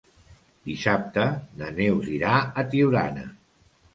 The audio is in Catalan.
Dissabte na Neus irà a Tiurana.